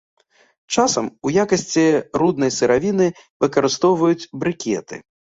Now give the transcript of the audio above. Часам у якасці руднай сыравіны выкарыстоўваюць брыкеты.